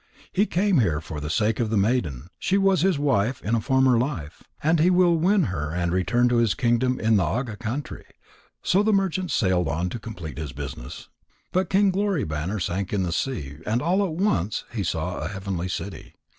He came here for the sake of the maiden; she was his wife in a former life. And he will win her and return to his kingdom in the Anga country." So the merchant sailed on to complete his business. But King Glory banner sank in the sea, and all at once he saw a heavenly city.